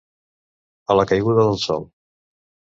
A la caiguda del sol.